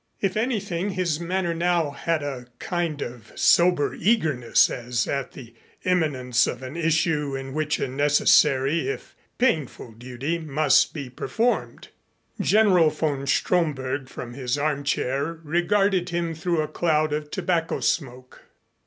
If anything, his manner now had a kind of sober eagerness as at the imminence of an issue in which a necessary if painful duty must be performed. General von Stromberg from his armchair regarded him through a cloud of tobacco smoke.